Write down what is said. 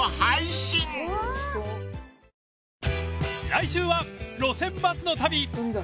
［来週は路線バスの旅］・海だ。